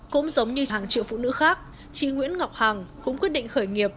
cũng giống như hàng triệu phụ nữ khác chị nguyễn ngọc hằng cũng quyết định khởi nghiệp